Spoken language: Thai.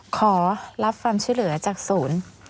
ขอรับความช่วยเหลือจากศูนย์